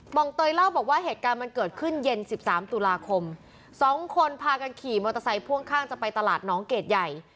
องเตยเล่าบอกว่าเหตุการณ์มันเกิดขึ้นเย็นสิบสามตุลาคมสองคนพากันขี่มอเตอร์ไซค์พ่วงข้างจะไปตลาดน้องเกดใหญ่